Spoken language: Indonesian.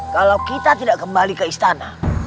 kalau kita tidak kembali ke istana